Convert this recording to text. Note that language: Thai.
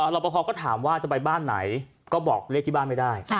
รอปภก็ถามว่าจะไปบ้านไหนก็บอกเลขที่บ้านไม่ได้